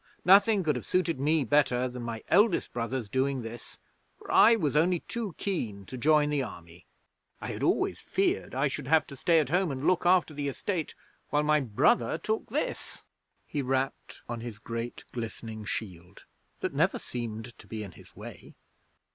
Nothing could have suited me better than my eldest brother's doing this, for I was only too keen to join the Army. I had always feared I should have to stay at home and look after the estate while my brother took this.' He rapped on his great glistening shield that never seemed to be in his way.